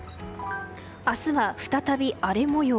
明日は再び荒れ模様。